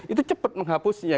itu cepat menghapusnya